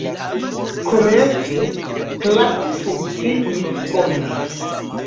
Komence, Klaku funkciis bone.